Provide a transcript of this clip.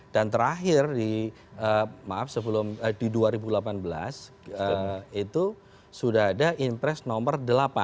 dan terakhir di dua ribu delapan belas itu sudah ada impres nomor delapan